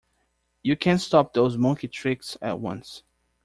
You can stop those monkey tricks at once!